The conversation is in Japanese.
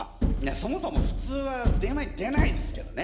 そもそもふつうは電話に出ないですけどね。